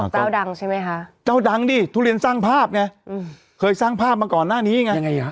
ขายดังชิคกี้พายฮะเจ้าดังดิทุเรียนสร้างภาพไหมเคยสร้างภาพมาก่อนหน้านี้ไงไงบ้าง